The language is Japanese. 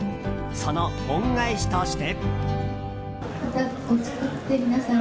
その恩返しとして。